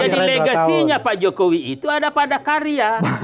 jadi legasinya pak jokowi itu ada pada karya